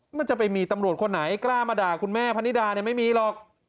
มันจะไปมีตำรวจคนไหนกล้ามาด่าคุณแม่พนิดาเนี่ยไม่มีหรอก